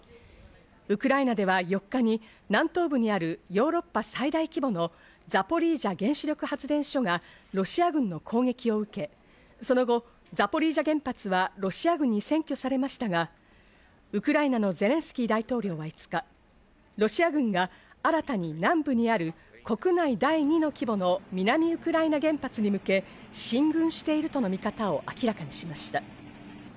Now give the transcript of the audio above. ウクライナでは４日に南東部にあるヨーロッパ最大規模のザポリージャ原子力発電所がロシア軍の攻撃を受け、その後、ザポリージャ原発はロシア軍に占拠されましたが、ウクライナのゼレンスキー大統領は５日、ロシア軍が新たに南部にある国内第２の規模の南ウクライナ原発に向け、進軍しているとの見方を明らかにしました。